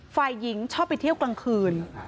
ฝ่ายหญิงชอบไปเที่ยวกลางคืน